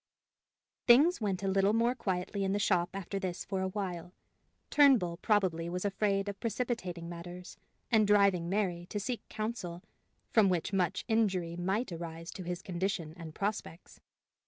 Things went a little more quietly in the shop after this for a while: Turnbull probably was afraid of precipitating matters, and driving Mary to seek counsel from which much injury might arise to his condition and prospects.